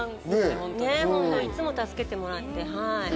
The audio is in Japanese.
本当にいつも助けてもらって。